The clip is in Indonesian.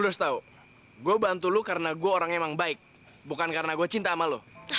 terus tau gue bantu lo karena gue orangnya emang baik bukan karena gue cinta sama lo